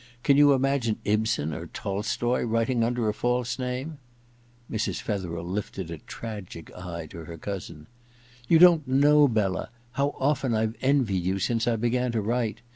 Can you imagine Ibsen or Tolstoi writing under a false name ?' Mrs. Fetherel lifted a tragic eye to her cousin. 84 EXPIATION i * You don't know, Bella, how often Tve envied you since I be^an to write.